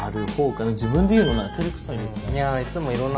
自分で言うのてれくさいですね。